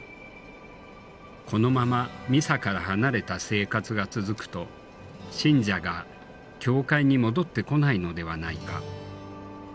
このままミサから離れた生活が続くと信者が教会に戻ってこないのではないか。